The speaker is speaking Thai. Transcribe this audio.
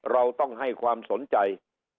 เราต้องให้ความสนใจ